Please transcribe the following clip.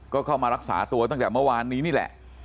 ก็เข้ามารักษาตัวตั้งแต่เมื่อวานนี้นี่แหละ